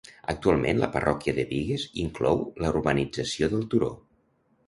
Actualment la Parròquia de Bigues inclou la urbanització del Turó.